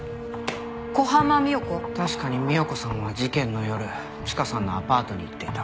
確かに三代子さんは事件の夜チカさんのアパートに行っていた。